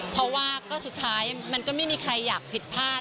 เพราะว่าก็สุดท้ายมันก็ไม่มีใครอยากผิดพลาด